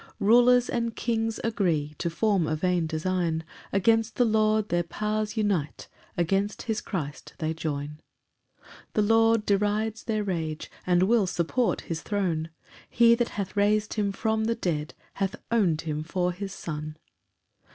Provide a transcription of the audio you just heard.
4 Rulers and kings agree To form a vain design; Against the Lord their powers unite, Against his Christ they join. 5 The Lord derides their rage, And will support his throne; He that hath rais'd him from the dead Hath own'd him for his Son.